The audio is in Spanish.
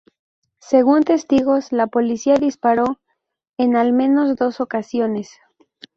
Según testigos, la policía disparó en al menos dos ocasiones.